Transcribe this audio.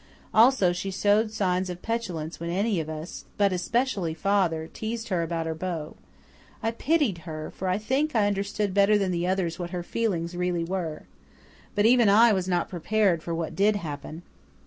Also, she showed signs of petulance when any of us, but especially father, teased her about her beau. I pitied her, for I think I understood better than the others what her feelings really were. But even I was not prepared for what did happen.